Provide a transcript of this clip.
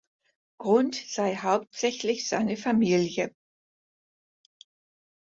Grund sei hauptsächlich seine Familie.